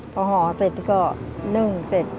พอห่อเสร็จก็นึ่งเสร็จ